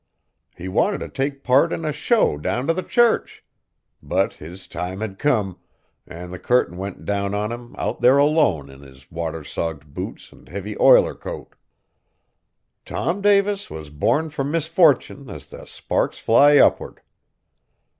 He wanted t' take part in a show down t' the church. But his time had come; an' the curtain went down on him out there alone in his water sogged boots an' heavy iler coat! Tom Davis was born fur misfortin as the sparks fly up'ard.